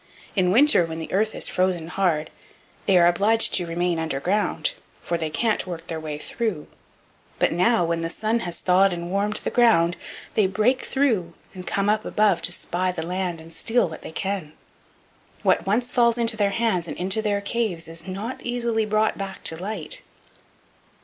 In winter, when the earth is frozen hard, they are obliged to remain underground, for they can't work their way through; but now, when the sun has thawed and warmed the ground, they break through and come up above to spy the land and steal what they can; what once falls into their hands and into their caves is not easily brought back to light."